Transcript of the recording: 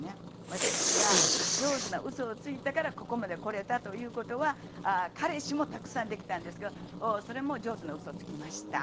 私が上手なウソをついたからここまでこれたという事は彼氏もたくさんできたんですけどそれも上手なウソをつきました。